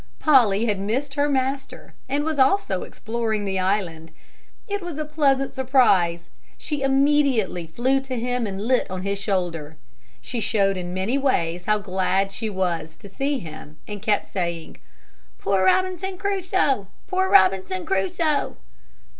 Polly had missed her master and was also exploring the island. It was a pleasant surprise. She immediately flew to him and lit on his shoulder. She showed in many ways how glad she was to see him and kept saying, "Poor Robinson, poor Robinson Crusoe!"